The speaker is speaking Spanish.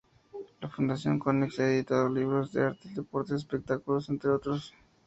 La Fundación Konex ha editado libros de arte, deportes y espectáculos, entre otros.